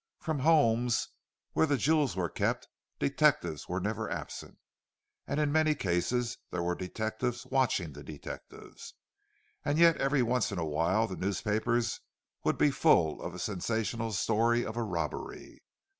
From homes where the jewels were kept, detectives were never absent, and in many cases there were detectives watching the detectives; and yet every once in a while the newspapers would be full of a sensational story of a robbery.